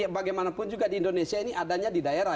bagaimanapun juga di indonesia ini adanya di daerah